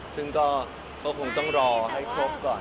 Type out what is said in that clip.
ซึ่งก็คงต้องรอให้ครบก่อน